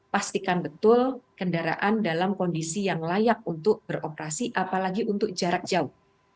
pastikan betul kendaraan dalam kondisi yang layak untuk beroperasi apalagi untuk jarak jauh